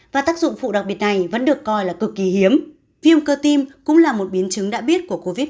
và tác dụng phụ đặc biệt này vẫn được coi là cực kỳ hiếm viêm cơ tim cũng là một biến chứng đã biết